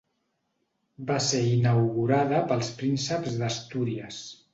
Va ser inaugurada pels Prínceps d'Astúries.